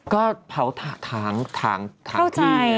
ก็เผาถ่างที่